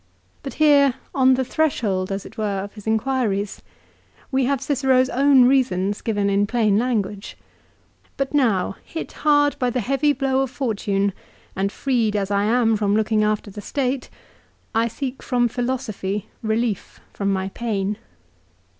But here, on the threshold as it were of his inquiries, we have Cicero's own reasons given in plain language. " But now, hit hard by the heavy blow of fortune, and freed as I am from looking after the State, I seek from philosophy relief from my pain."